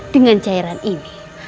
dengan cairan ini